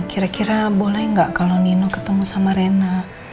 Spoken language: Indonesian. kira kira boleh nggak kalau nino ketemu sama rena